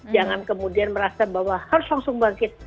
jangan kemudian merasa bahwa harus langsung bangkit